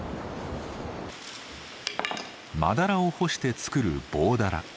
真だらを干して作る棒だら。